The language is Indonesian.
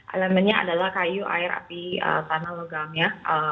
elemennya adalah kayu air api tanah logam ya